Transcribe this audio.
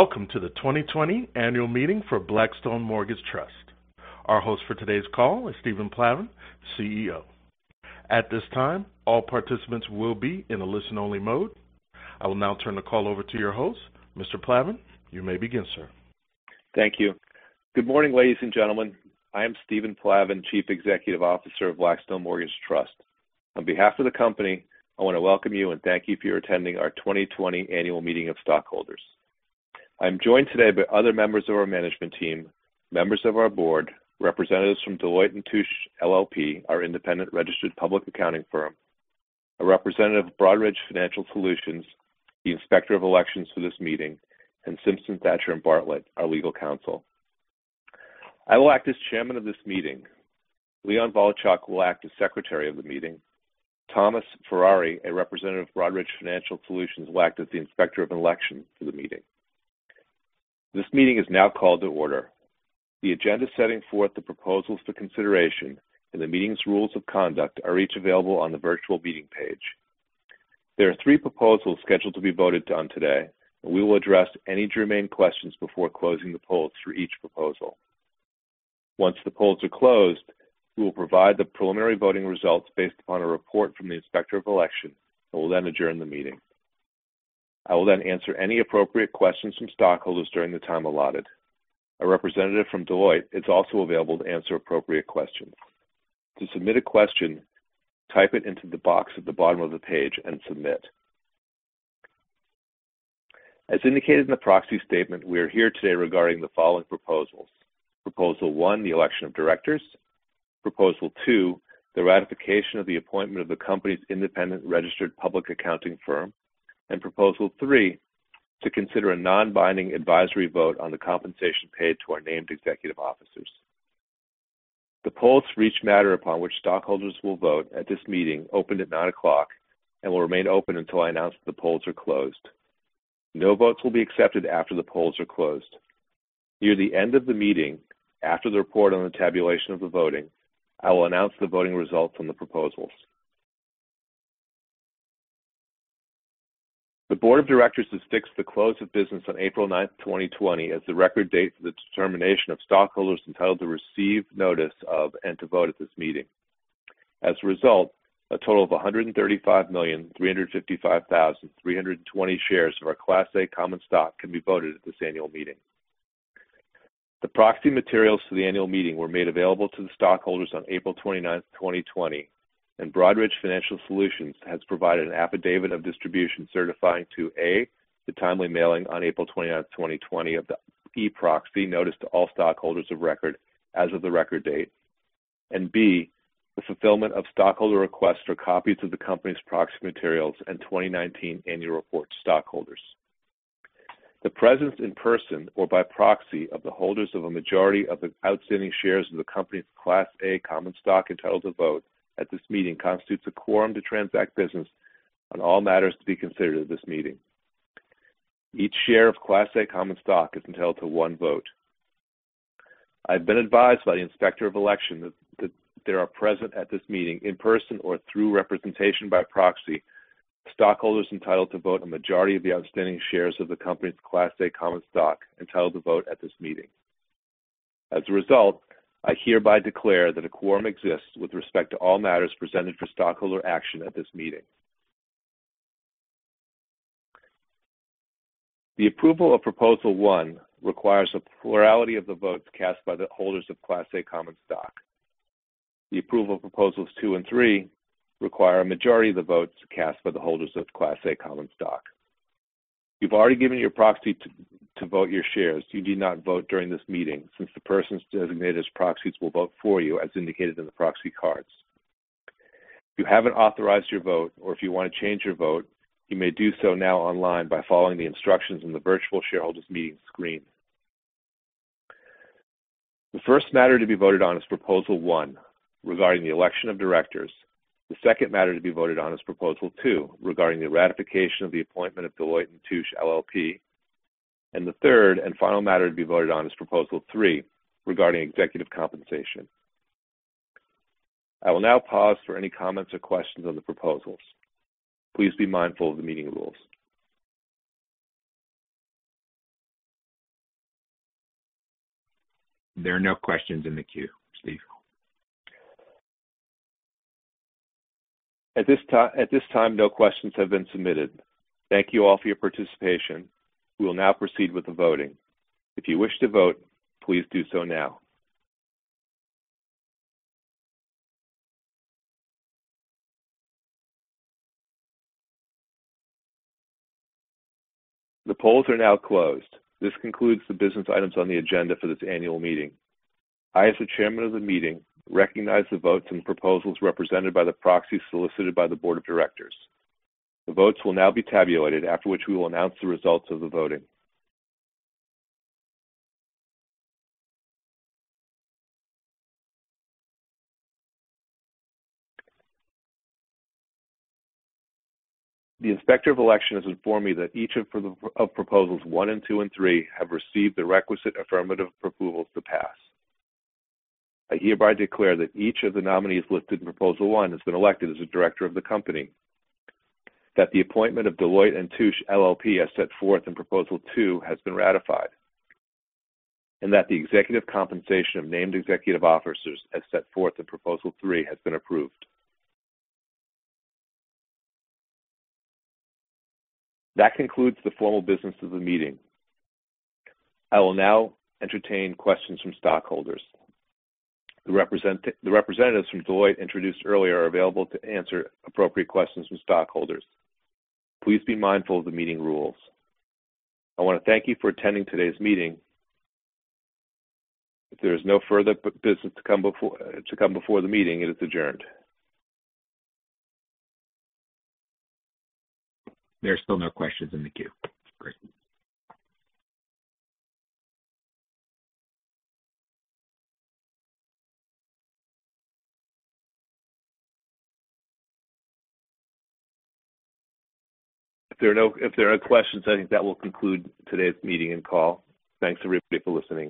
Welcome to the 2020 Annual Meeting for Blackstone Mortgage Trust. Our host for today's call is Stephen Plavin, CEO. At this time, all participants will be in a listen-only mode. I will now turn the call over to your host, Mr. Plavin. You may begin, sir. Thank you. Good morning, ladies and gentlemen. I am Stephen Plavin, Chief Executive Officer of Blackstone Mortgage Trust. On behalf of the company, I want to welcome you and thank you for attending our 2020 Annual Meeting of Stockholders. I'm joined today by other members of our management team, members of our Board, representatives from Deloitte & Touche LLP, our independent registered public accounting firm, a representative of Broadridge Financial Solutions, the Inspector of Elections for this meeting, and Simpson Thacher & Bartlett, our legal counsel. I will act as chairman of this meeting. Leon Volchyok will act as Secretary of the meeting. Thomas Ferrari, a representative of Broadridge Financial Solutions, will act as the Inspector of Elections for the meeting. This meeting is now called to order. The agenda setting forth the proposals for consideration and the meeting's rules of conduct are each available on the virtual meeting page. There are three proposals scheduled to be voted on today, and we will address any germane questions before closing the polls for each proposal. Once the polls are closed, we will provide the preliminary voting results based upon a report from the Inspector of Elections and will then adjourn the meeting. I will then answer any appropriate questions from stockholders during the time allotted. A representative from Deloitte is also available to answer appropriate questions. To submit a question, type it into the box at the bottom of the page and submit. As indicated in the proxy statement, we are here today regarding the following proposals: Proposal One, the election of directors, Proposal Two, the ratification of the appointment of the company's independent registered public accounting firm, and Proposal Three, to consider a non-binding advisory vote on the compensation paid to our named executive officers. The polls for each matter upon which stockholders will vote at this meeting opened at 9:00 A.M. and will remain open until I announce that the polls are closed. No votes will be accepted after the polls are closed. Near the end of the meeting, after the report on the tabulation of the voting, I will announce the voting results on the proposals. The Board of Directors has fixed the close of business on April 9, 2020, as the record date for the determination of stockholders entitled to receive notice of and to vote at this meeting. As a result, a total of 135,355,320 shares of our Class A common stock can be voted at this annual meeting. The proxy materials for the annual meeting were made available to the stockholders on April 29, 2020, and Broadridge Financial Solutions has provided an affidavit of distribution certifying to: A, the timely mailing on April 29, 2020, of the e-proxy notice to all stockholders of record as of the record date, and B, the fulfillment of stockholder requests for copies of the company's proxy materials and 2019 annual report to stockholders. The presence in person or by proxy of the holders of a majority of the outstanding shares of the company's Class A common stock entitled to vote at this meeting constitutes a quorum to transact business on all matters to be considered at this meeting. Each share of Class A common stock is entitled to one vote. I've been advised by the Inspector of Elections that there are present at this meeting in person or through representation by proxy stockholders entitled to vote a majority of the outstanding shares of the company's Class A common stock entitled to vote at this meeting. As a result, I hereby declare that a quorum exists with respect to all matters presented for stockholder action at this meeting. The approval of Proposal One requires a plurality of the votes cast by the holders of Class A common stock. The approval of Proposals Two and Three require a majority of the votes cast by the holders of Class A common stock. You've already given your proxy to vote your shares. You need not vote during this meeting since the persons designated as proxies will vote for you as indicated in the proxy cards. If you haven't authorized your vote or if you want to change your vote, you may do so now online by following the instructions on the Virtual Shareholders Meeting screen. The first matter to be voted on is Proposal One regarding the election of directors. The second matter to be voted on is Proposal Two regarding the ratification of the appointment of Deloitte & Touche LLP, and the third and final matter to be voted on is Proposal Three regarding executive compensation. I will now pause for any comments or questions on the proposals. Please be mindful of the meeting rules. There are no questions in the queue, Steve. At this time, no questions have been submitted. Thank you all for your participation. We will now proceed with the voting. If you wish to vote, please do so now. The polls are now closed. This concludes the business items on the agenda for this annual meeting. I, as the Chairman of the meeting, recognize the votes and proposals represented by the proxy solicited by the Board of Directors. The votes will now be tabulated, after which we will announce the results of the voting. The Inspector of Elections has informed me that each of the proposals one and two and three have received the requisite affirmative approvals to pass. I hereby declare that each of the nominees listed in Proposal One has been elected as a director of the company, that the appointment of Deloitte & Touche LLP as set forth in Proposal Two has been ratified, and that the executive compensation of named executive officers as set forth in Proposal Three has been approved. That concludes the formal business of the meeting. I will now entertain questions from stockholders. The representatives from Deloitte introduced earlier are available to answer appropriate questions from stockholders. Please be mindful of the meeting rules. I want to thank you for attending today's meeting. If there is no further business to come before the meeting, it is adjourned. There are still no questions in the queue, Steve. If there are no questions, I think that will conclude today's meeting and call. Thanks everybody for listening.